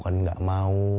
akang bukan gak mau